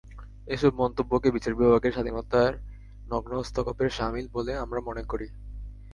এসব মন্তব্যকে বিচার বিভাগের স্বাধীনতায় নগ্ন হস্তক্ষেপের শামিল বলে আমরা মনে করি।